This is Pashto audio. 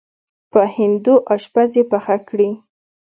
په هندو اشپز یې پخه کړې.